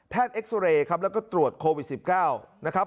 เอ็กซอเรย์ครับแล้วก็ตรวจโควิด๑๙นะครับ